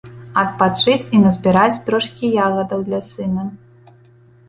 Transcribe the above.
Адпачыць і назбіраць трошкі ягадаў для сына.